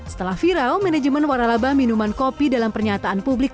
setelah viral manajemen waralaba minuman kopi dalam pernyataan publik